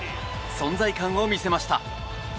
存在感を見せました。